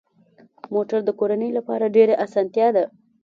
موټر د کورنۍ لپاره ډېره اسانتیا ده.